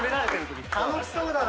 楽しそうだな。